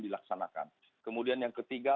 dilaksanakan kemudian yang ketiga